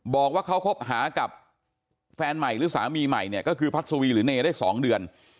บอกว่าเขาคบหากับแฟนใหม่หรือสามีใหม่เนี่ยก็คือพัศวีหรือเนได้๒เดือน